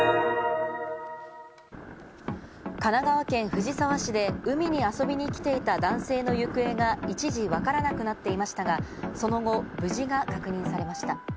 神奈川県藤沢市で海に遊びに来ていた男性の行方が一時わからなくなっていましたが、その後、無事が確認されました。